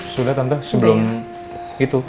sudah tante sebelum itu